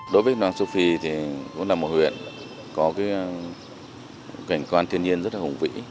đối với hoàng su phi thì cũng là một huyện có cảnh quan thiên nhiên rất là hùng vĩ